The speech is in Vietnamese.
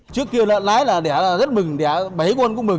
trước kia lợn lái là đẻ rất mừng đẻ bấy con cũng mừng